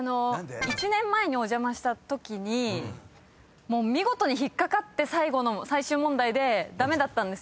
１年前にお邪魔したときに見事に引っ掛かって最後の最終問題で駄目だったんですよ。